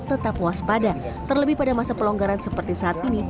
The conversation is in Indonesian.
tetap waspada terlebih pada masa pelonggaran seperti saat ini